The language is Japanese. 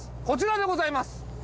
こちらでございます！